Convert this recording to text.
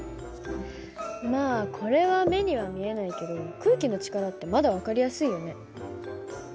まあこれは目には見えないけど空気の力ってまだ分かりやすいよね。